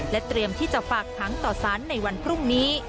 เตรียมที่จะฝากค้างต่อสารในวันพรุ่งนี้